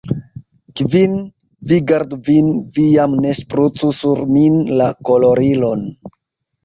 Kvin, vi gardu vin, vi jam ne ŝprucu sur min la kolorilon.